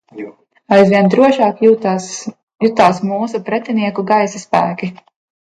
Aizvien drošāk jutās mūsu pretinieku gaisa spēki.